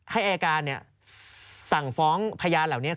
อายการสั่งฟ้องพยานเหล่านี้